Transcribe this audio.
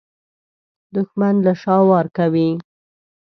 دښمن له شا وار کوي